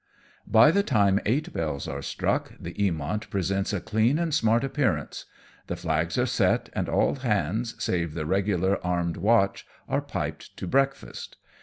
By the time eight bells are struck the Mamont presents a clean and smart appearance ; the flags are set, and all hands, save the regular armed watch, are piped to breakfast.